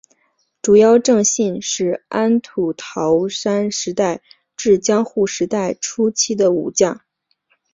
竹腰正信是安土桃山时代至江户时代初期的武将。